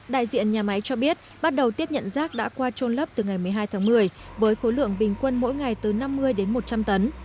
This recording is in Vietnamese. đại diện nhà máy cho biết bắt đầu tiếp nhận rác đã qua trôn lấp từ ngày một mươi hai tháng một mươi với khối lượng bình quân mỗi ngày từ năm mươi đến một trăm linh tấn